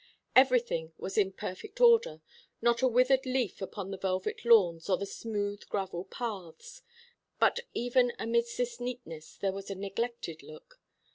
Everything was in perfect order, not a withered leaf upon the velvet lawns or the smooth gravel paths. But even amidst this neatness there was a neglected look.